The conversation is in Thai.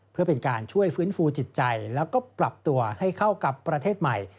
เพื่อเป็นการช่วยฟื้นฟูจิตใจแล้วก็ปรับตัวให้เข้ากับประเทศใหม่